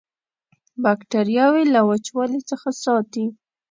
باکتریاوې له وچوالي څخه ساتي.